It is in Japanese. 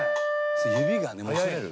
「指がねもつれる。